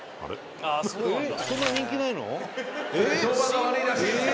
えっそんな人気ないの？